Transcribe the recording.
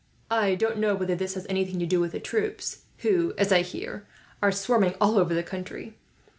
I don't know whether that has anything to do with the troops; who, as I hear, are swarming all over the country.